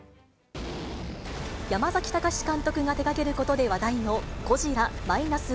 山崎貴監督が手がけることで話題のゴジラ−１．０。